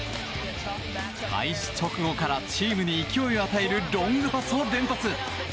開始直後からチームに勢いを与えるロングパスを連発。